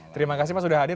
terima kasih pak sudah hadir